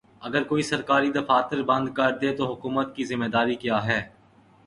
اگر کوئی سرکاری دفاتر بند کردے تو حکومت کی ذمہ داری کیا ہے؟